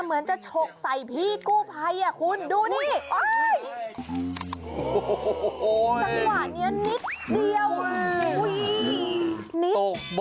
เหมือนจะชกใส่พี่กู้ไพคุณดูนี่